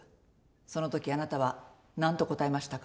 その時あなたは何と答えましたか？